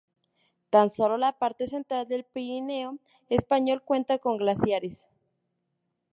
Tan sólo la parte central del Pirineo español cuenta con glaciares.